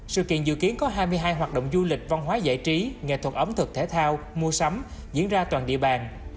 sự kiện dự kiến có hai mươi hai hoạt động du lịch văn hóa giải trí nghệ thuật ẩm thực thể thao mua sắm diễn ra toàn địa bàn